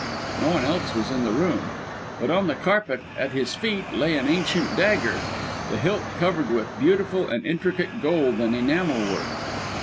No one else was in the room. But on the carpet at his feet lay an ancient dagger, the hilt covered with beautiful and intricate gold and enamel work.